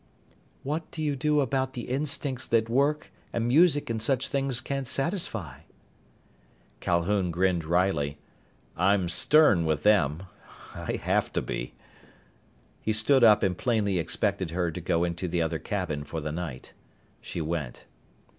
"What do you do about the instincts that work and music and such things can't satisfy?" Calhoun grinned wryly, "I'm stern with them. I have to be." He stood up and plainly expected her to go into the other cabin for the night. She went.